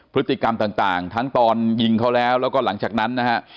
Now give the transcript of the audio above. พฤติกรรมต่างทั้งตอนยิงเขาแล้วแล้วก็หลังจากนั้นนะฮะ